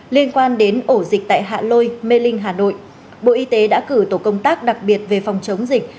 liên quan đến ổ dịch tại hạ lôi mê linh hà nội bộ y tế đã cử tổ công tác đặc biệt về phòng chống dịch